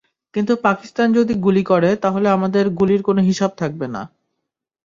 কিন্তু পাকিস্তান যদি গুলি করে, তাহলে আমাদের গুলির কোনো হিসাব থাকবে না।